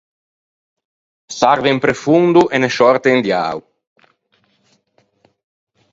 Se arve un prefondo, e ne sciòrte un diao.